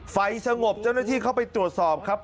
ไฟสงบเจ้าหน้าที่เข้าไปตรวจสอบครับ